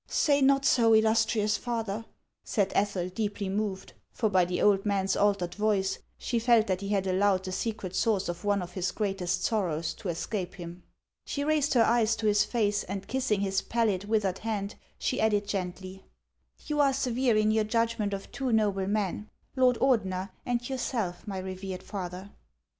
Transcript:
Say not so, illustrious father," said Ethel, deeply moved ; for by the old man's altered voice, she felt that he had allowed the secret source of one of his greatest sorrows to escape him. She raised her eyes to his face, and kissing his pallid, withered hand, she added gently :" You are severe in your judgment of two noble men, Lord Ordener and yourself, my revered father."